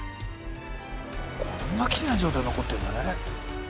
こんなきれいな状態で残ってんだね。